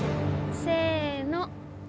せの！